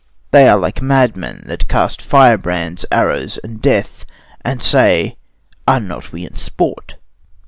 They are like madmen that cast fire brands, arrows, and death, and say, Are not we in sport?